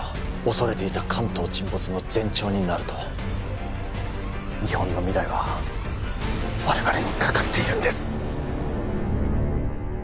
恐れていた関東沈没の前兆になると日本の未来は我々にかかっているんです